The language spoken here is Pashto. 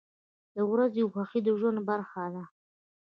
• د ورځې خوښي د ژوند برخه ده.